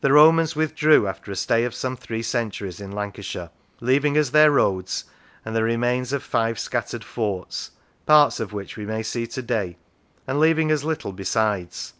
The Romans withdrew, after a stay of some three centuries in Lancashire, leaving us their roads, and the remains of five scattered forts, parts of which we may see to day, and leaving us little besides.